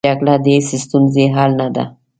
جګړه د هېڅ ستونزې حل نه ده